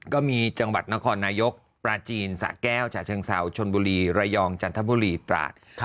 ก็มีจังหวัดนครนายกปราจีนสะแก้วฉะเชิงเซาชนบุรีระยองจันทบุรีตราด